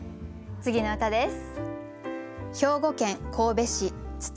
次の歌です。